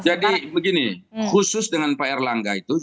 jadi begini khusus dengan pak erlah gak itu